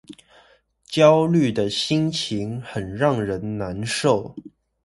焦慮的心情很讓人難受